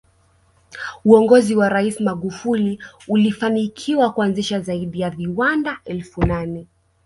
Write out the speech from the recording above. Uongozi wa rais Magufuli ulifanikiwa kuanzisha zaidi ya viwanda elfu nane